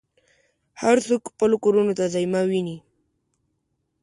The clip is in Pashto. هر څوک خپلو کورونو ته ځي ما وینې.